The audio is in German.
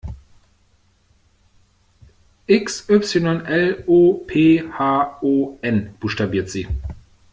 "X Y L O P H O N", buchstabiert sie.